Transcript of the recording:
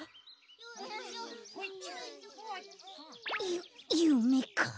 ゆっゆめか。